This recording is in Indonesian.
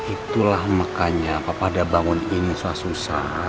itulah makanya papa udah bangun ini susah susah